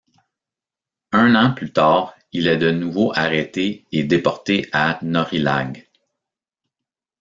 Un an plus tard, il est de nouveau arrêté et déporté à Norillag.